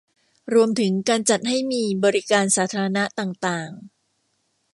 รวมถึงการจัดให้มีบริการสาธารณะต่างต่าง